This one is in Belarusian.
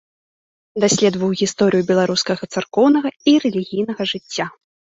Даследаваў гісторыю беларускага царкоўнага і рэлігійнага жыцця.